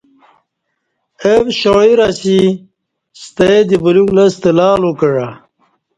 او شاعر اسی ستہ دی بلیوک لستہ لالو کعہ